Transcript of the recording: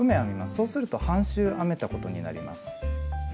そうすると半周編めたことになります。